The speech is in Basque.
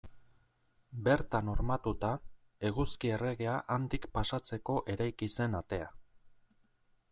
Bertan hormatuta, Eguzki Erregea handik pasatzeko eraiki zen atea.